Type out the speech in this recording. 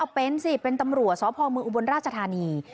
เอาเป็นสิเป็นตำรวจสพมอุบลราชธานี